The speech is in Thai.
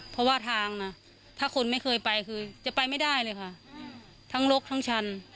เพราะว่าทางนะถ้าคนไม่เคยไปคือจะไปไม่ได้เลยค่ะทั้งลกทั้งชัน